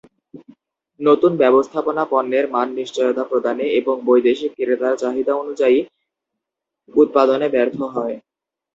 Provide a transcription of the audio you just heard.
নতুন ব্যবস্থাপনা পণ্যের মানের নিশ্চয়তা প্রদানে এবং বৈদেশিক ক্রেতার চাহিদানুযায়ী উৎপাদনে ব্যর্থ হয়।